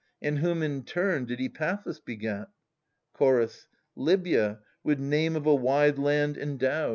And whom in turn did Epaphus beget ?* Chorus. Libya, with name of a wide land endowed.